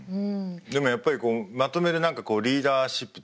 でもやっぱりまとめる何かリーダーシップっていうかね